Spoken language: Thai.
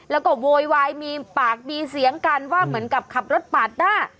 แล้วก็โวยวายมีปากมีเสียงกันว่าเหมือนกับขับรถปาดหน้า